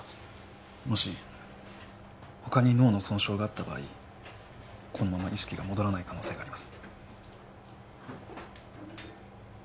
もし他に脳の損傷があった場合このまま意識が戻らない可能性があります